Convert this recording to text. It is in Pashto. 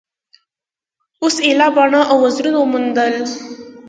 اوس ایله باڼه او وزرونه وموندل.